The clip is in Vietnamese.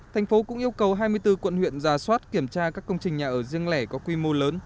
thành phố cũng yêu cầu hai mươi bốn quận huyện giả soát kiểm tra các công trình nhà ở riêng lẻ có quy mô lớn